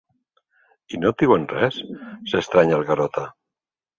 I no et diuen res? —s'estranya el Garota.